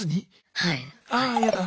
はい。